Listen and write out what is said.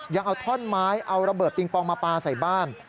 ยังเอาท่อนไม้เอาระเบิดปิงปองมาปลาใส่บ้าน